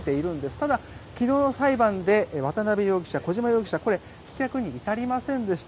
ただ、昨日の裁判で渡邉容疑者、小島容疑者はこれ、棄却に至りませんでした。